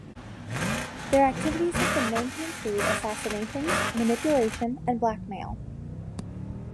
Their activities have been known to include assassinations, manipulation and blackmail.